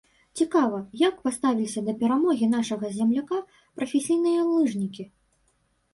Цікава, як паставіліся да перамогі нашага земляка прафесійныя лыжнікі?